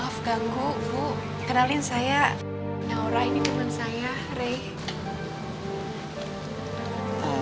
of ganggu bu kenalin saya nyaurah ini teman saya rey